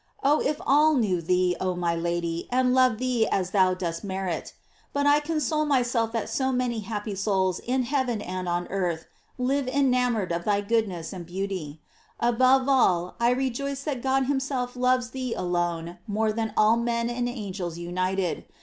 Oh, if all knew thee, oh my Lady, and loved thee as thou dost merit ! But I console myself that eo many happy souls in heaven and on earth live enamored of thy goodness and beauty. Above all, I rejoice that God himself loves thee alone more than all men and angels united.